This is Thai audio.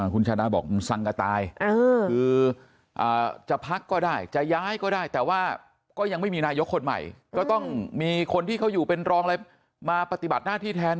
คุณชาดาบอกสังกะตายคือจะพักก็ได้จะย้ายก็ได้แต่ว่าก็ยังไม่มีนายกคนใหม่ก็ต้องมีคนที่เขาอยู่เป็นรองอะไรมาปฏิบัติหน้าที่แทน